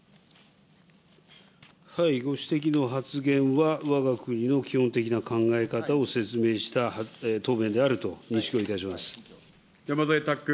はい、ご指摘の発言はわが国の基本的な考え方を説明した答弁山添拓君。